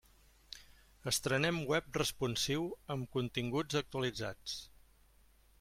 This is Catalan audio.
Estrenem web responsiu amb continguts actualitzats.